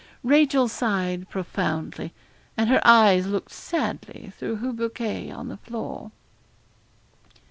Rachel sighed profoundly, and her eyes looked sadly through her bouquet on the floor.